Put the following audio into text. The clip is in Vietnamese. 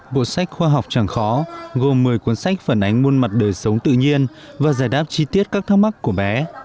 bộ sách khoa học chẳng khó gồm một mươi cuốn sách phản ánh muôn mặt đời sống tự nhiên và giải đáp chi tiết các thắc mắc của bé